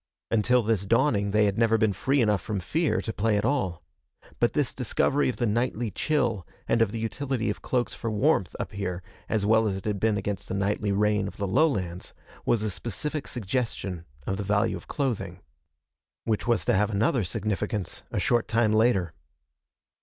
Until this dawning they had never been free enough from fear to play at all. But this discovery of the nightly chill and of the utility of cloaks for warmth up here as well as it had been against the nightly rain of the lowlands, was a specific suggestion of the value of clothing. Which was to have another significance, a short time later.